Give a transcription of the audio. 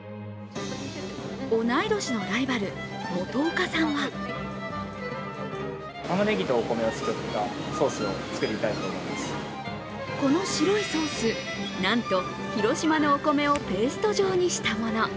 同い年のライバル・元岡さんはこの白いソース、なんと広島のお米をペースト状にしたもの。